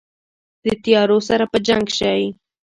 د تیارو سره په جنګ شي